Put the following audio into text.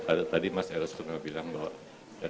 ada tadi mas eros pernah bilang bahwa